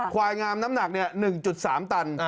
ควายงามน้ำหนัก๑๓ตัน